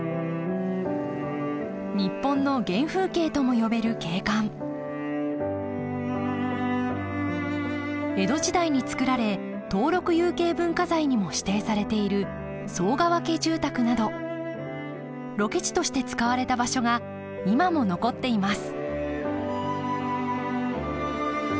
日本の原風景とも呼べる景観江戸時代につくられ登録有形文化財にも指定されている寒川家住宅などロケ地として使われた場所が今も残っています